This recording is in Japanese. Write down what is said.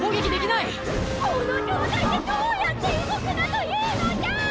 この状態でどうやって動くなというのじゃっ！